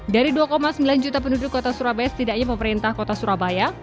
dari dua sembilan juta penduduk kota surabaya setidaknya pemerintah kota surabaya